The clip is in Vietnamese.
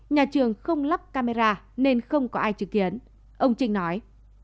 nhà trường không lắp camera nên không có ai chứng kiến ông trinh nói